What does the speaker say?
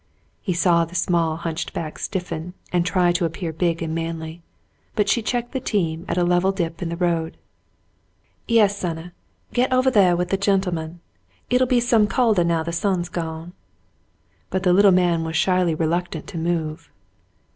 He saw the small hunched back stiffen, and try to appear big and manly, but she checked the team at a level dip in the road. "Yes, sonny, get ovah theah with the gentleman. It'll be some coldah now the sun's gone." But the little man was shyly reluctant to move.